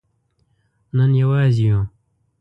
نن یوازې یو